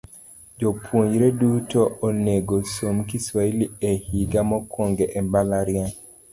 Jopuonjre duto onegosom Kiswahili e higa mokwongo e mbalariany .